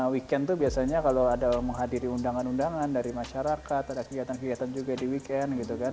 weekend itu biasanya kalau ada menghadiri undangan undangan dari masyarakat ada kegiatan kegiatan juga di weekend gitu kan